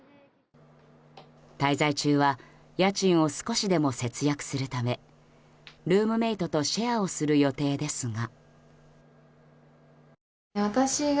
滞在中は家賃を少しでも節約するためルームメートとシェアをする予定ですが。